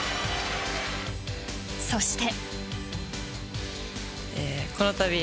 そして。